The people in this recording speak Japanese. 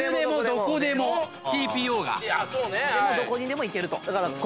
いつでもどこにでも行けると。